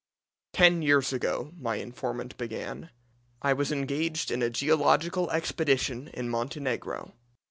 "Ten years ago," my informant began, "I was engaged in a geological expedition in Montenegro.